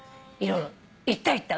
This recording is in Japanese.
行った行った。